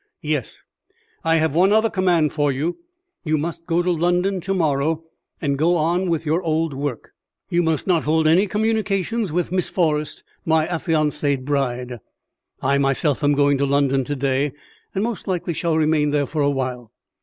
Yes, I have one other command for you. You must go to London to morrow, and go on with your old work. You must not hold any communication with Miss Forrest, my affianced bride. I myself am going to London to day, and most likely shall remain there for a while.